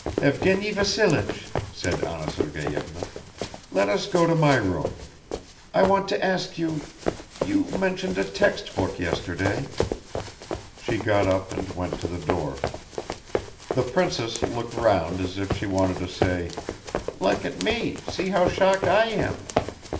"Evgeny Vassilich," said Anna Sergeyevna, "let us go to my room. I want to ask you ... you mentioned a textbook yesterday..." She got up and went to the door. The princess looked round as if she wanted to say, "Look at me; see how shocked I am!"